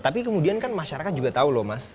tapi kemudian kan masyarakat juga tahu loh mas